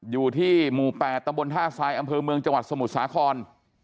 อยู่ที่หมู่๘ตำบลท่าทรายอำเภอเมืองจังหวัดสมุทรสาคร